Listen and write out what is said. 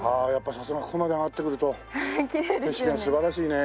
さすがここまで上がってくると景色が素晴らしいね。